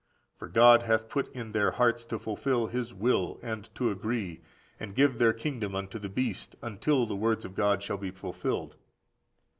For God hath put in their hearts to fulfil His will, and to agree, and give their kingdom unto the beast, until the words of God shall be fulfilled.